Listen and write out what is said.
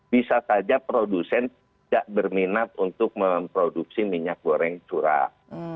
bisa saja produsen tidak berminat untuk memproduksi minyak goreng curah